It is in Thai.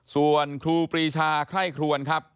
ส่วนครูปรีชาไคร่ครวนครับ